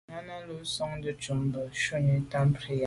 Náná lù gə́ sɔ̀ŋdə̀ ncúp bû shúnì tâm prǐyà.